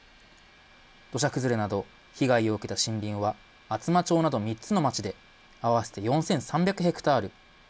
土砂崩れなど、被害を受けた森林は厚真町など３つの町で合わせて４３００ヘクタール。